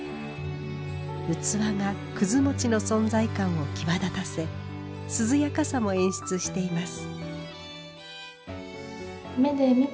器がくずもちの存在感を際立たせ涼やかさも演出しています。